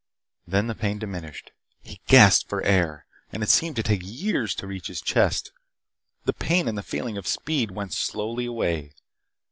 Then the pain diminished. He gasped for air, and it seemed to take years to reach his chest. The pain and the feeling of speed went slowly away.